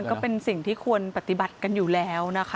ก็เป็นสิ่งที่ควรปฏิบัติกันอยู่แล้วนะคะ